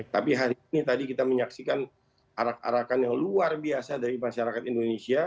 tapi hari ini tadi kita menyaksikan arak arakan yang luar biasa dari masyarakat indonesia